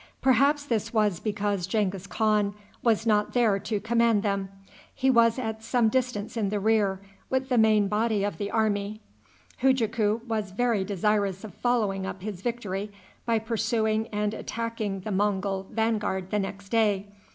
Perhaps this was because Genghis Khan was not there to command them. He was at some distance in the rear with the main body of the army. Hujaku was very desirous of following up his victory by pursuing and attacking the Mongul vanguard the next day.